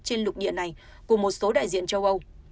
trên lục địa này của một số đại diện châu âu